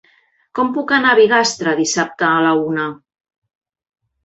Com puc anar a Bigastre dissabte a la una?